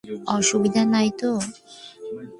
অসুবিধা নাই তো?